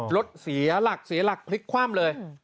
รถเสียหลักพลิกความเลย